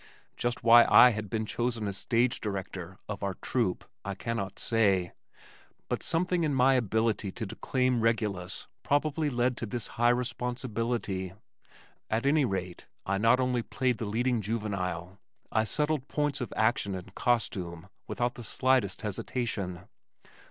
Just why I should have been chosen "stage director" of our "troupe," I cannot say, but something in my ability to declaim Regulus probably led to this high responsibility. At any rate, I not only played the leading juvenile, I settled points of action and costume without the slightest hesitation.